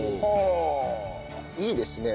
いいですね